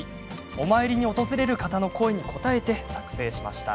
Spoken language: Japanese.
お参りに訪れる方の声に応えて作成しました。